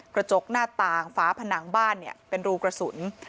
กระจกหน้าต่างฝาผนังบ้านเป็นรูกระสุน